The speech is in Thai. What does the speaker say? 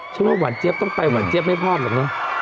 ฉันว่าหวั่นเจ๊บต้องไปหวั่นเจ๊บไม่พอดแหละ